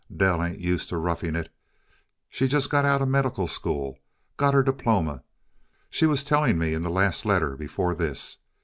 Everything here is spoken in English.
Dell ain't used to roughing it; she's just out of a medical school got her diploma, she was telling me in the last letter before this.